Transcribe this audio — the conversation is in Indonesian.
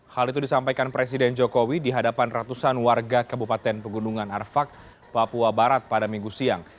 hal itu disampaikan presiden jokowi di hadapan ratusan warga kabupaten pegunungan arfak papua barat pada minggu siang